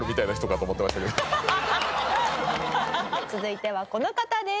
続いてはこの方です。